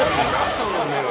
その目は。